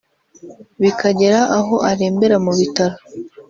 bikagera aho arembera mu bitaro